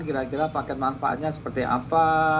kira kira paket manfaatnya seperti apa